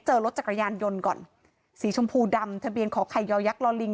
เจอรถจักรยานยนต์ก่อนสีชมพูดำทะเบียนขอไข่ยอยักษลอลิง